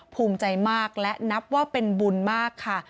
ภูมิใจมากและนับว่าเป็นบุญมากค่ะ